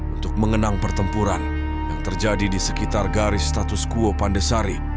untuk mengenang pertempuran yang terjadi di sekitar garis status quo pandesari